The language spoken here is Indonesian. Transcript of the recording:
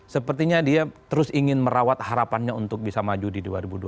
sepertinya dia terus ingin merawat harapannya untuk bisa maju di dua ribu dua puluh